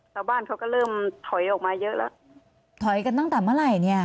ชาวบ้านเขาก็เริ่มถอยออกมาเยอะแล้วถอยกันตั้งแต่เมื่อไหร่เนี่ย